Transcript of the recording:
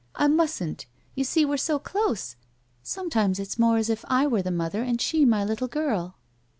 "I mustn't! You see, we're so dose. Sometimes it's more as if I were the mother and she my little girl."